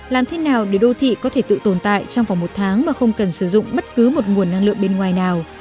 làm thế nào để đô thị có thể tự tồn tại trong vòng một tháng mà không cần sử dụng bất cứ một nguồn năng lượng bên ngoài nào